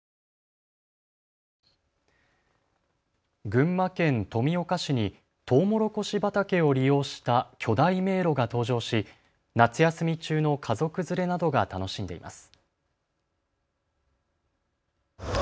群馬県富岡市にトウモロコシ畑を利用した巨大迷路が登場し夏休み中の家族連れなどが楽しんでいます。